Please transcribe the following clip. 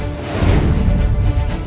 jangan lupa untuk berlangganan